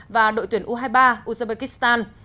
và đội tuyển u hai mươi ba uzbekistan